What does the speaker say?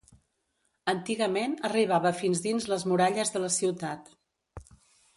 Antigament arribava fins dins les muralles de la ciutat.